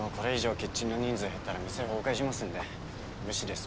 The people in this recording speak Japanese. キッチンの人数減ったら店崩壊しますんで無視です。